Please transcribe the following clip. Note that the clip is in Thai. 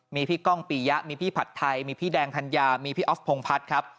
มีพี่ก้องปียะมีพี่ผัดไทยมีพี่แดงธัญญามีพี่อ๊อฟพงพัฒน์ครับ